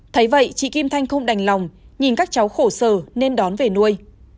thấy vậy chị kim thanh không đành lòng nhìn các cháu khổ sở nên đón về nuôi